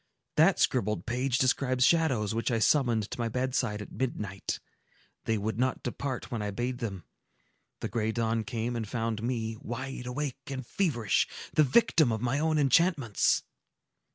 That scribbled page describes shadows which I summoned to my bedside at midnight: they would not depart when I bade them; the gray dawn came, and found me wide awake and feverish, the victim of my own enchantments!"